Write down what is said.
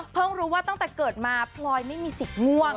รู้ว่าตั้งแต่เกิดมาพลอยไม่มีสิทธิ์ง่วง